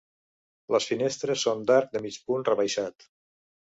Les finestres són d'arc de mig punt rebaixat.